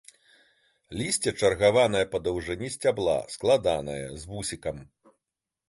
Лісце чаргаванае па даўжыні сцябла, складанае, з вусікам.